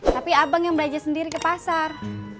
tapi abang yang belanja sendiri ke pasar